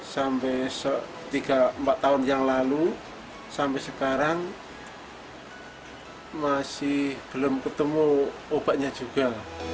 sampai empat tahun yang lalu sampai sekarang masih belum ketemu obatnya juga